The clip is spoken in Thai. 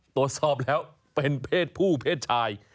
ตรวจสอบแล้วเป็นเพศผู้เพศชาย